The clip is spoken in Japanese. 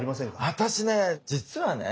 私ね実はね